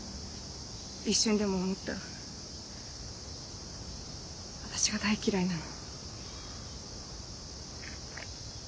一瞬でも思った私が大嫌いなの。